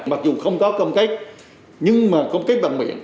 mặc dù không có công cách nhưng mà công cách bằng miệng